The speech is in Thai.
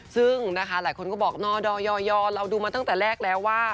ซึ่งนะคะหลายคนก็บอกนดอยเราดูมาตั้งแต่แรกแล้วว่า